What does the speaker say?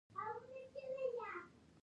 تر ټولو اوږد هډوکی ران دی.